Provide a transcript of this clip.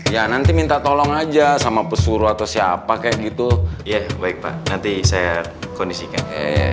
ya nanti minta tolong aja sama pesuruh atau siapa kayak gitu membaiki nanti saya kondisikan